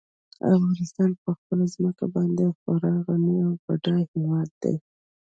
افغانستان په خپله ځمکه باندې خورا غني او بډای هېواد دی.